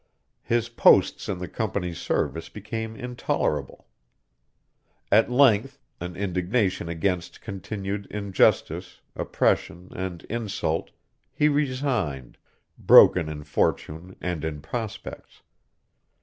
His posts in the Company's service became intolerable. At length, in indignation against continued injustice, oppression, and insult, he resigned, broken in fortune and in prospects.